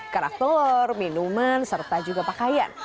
karakter minuman serta juga pakaian